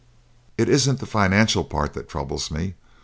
It isn't the financial part that troubles me.